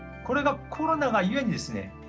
これがコロナがゆえにですね